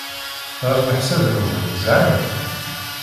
Ɣef leḥsab-nwen, zhant?